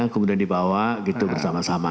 kemudian dibawa gitu bersama sama